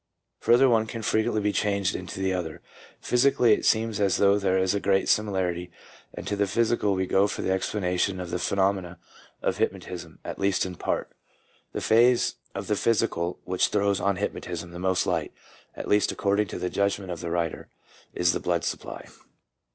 Further, one can frequently be changed into the other. Physically it seems as though there is a great similarity, and to the physical we go for an explanation of the pheno menon of hypnotism, at least in part. The phase of the physical which throws on hypnotism the most light — at least according to the judgment of the writer — is the blood supply.